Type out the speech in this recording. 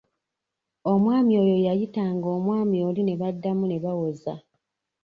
Omwami oyo yayitanga omwami oli ne baddamu ne bawoza.